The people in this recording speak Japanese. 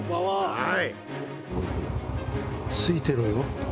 はい。